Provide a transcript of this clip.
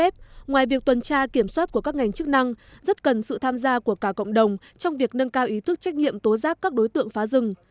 ngoài việc tuần tra kiểm soát của các ngành chức năng rất cần sự tham gia của cả cộng đồng trong việc nâng cao ý thức trách nhiệm tố giáp các đối tượng phá rừng